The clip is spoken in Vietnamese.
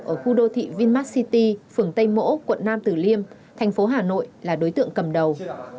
ở khu đô thị vinmart city phường tây mỗ quận nam tử liêm thành phố hà nội là đối tượng cầm đầu